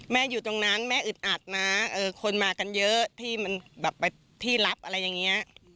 อยู่ตรงนั้นแม่อึดอัดนะคนมากันเยอะที่มันแบบไปที่รับอะไรอย่างนี้